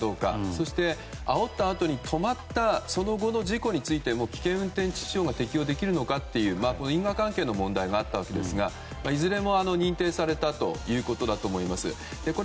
そしてあおったあとに止まったその後の事故について危険運転致死傷が適用できるのかというこの因果関係の問題があったわけですがいずれも認定されたということだと思います。